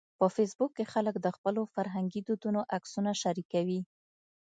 په فېسبوک کې خلک د خپلو فرهنګي دودونو عکسونه شریکوي